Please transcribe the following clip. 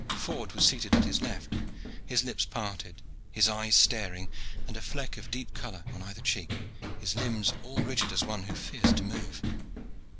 Ford was seated at his left, his lips parted, his eyes staring, and a fleck of deep color on either cheek, his limbs all rigid as one who fears to move.